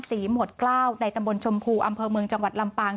หมวดเกล้าวในตำบลชมพูอำเภอเมืองจังหวัดลำปาง